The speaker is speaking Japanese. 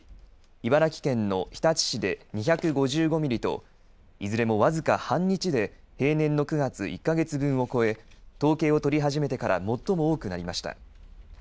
茨城県の日立市で２５５ミリといずれも僅か半日で平年の９月１か月分を超え統計を取り始めてから最も多くなりました。